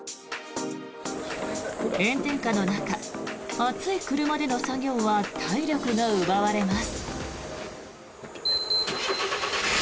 炎天下の中、暑い車での作業は体力が奪われます。